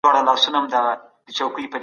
چارواکي به ګډي ناستي جوړوي.